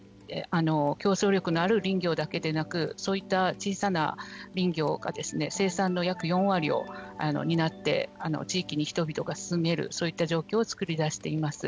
競争力のある林業だけでなくそういった小さな林業が生産の約４割を担って地域に人々が住めるそういった状況を作り出しています。